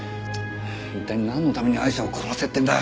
一体なんのためにアイシャを殺せっていうんだ！